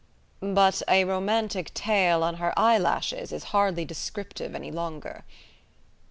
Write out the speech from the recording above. "But 'a romantic tale on her eyelashes' is hardly descriptive any longer."